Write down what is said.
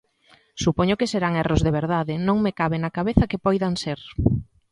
Supoño que serán erros de verdade, non me cabe na cabeza que poidan ser.